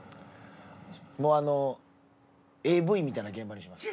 もうＡＶみたいな現場にします。